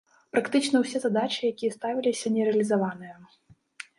Практычна ўсе задачы, якія ставіліся, не рэалізаваныя.